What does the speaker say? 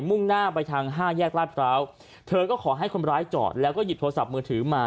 มุ่งหน้าไปทางห้าแยกลาดพร้าวเธอก็ขอให้คนร้ายจอดแล้วก็หยิบโทรศัพท์มือถือมา